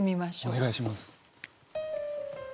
お願いします。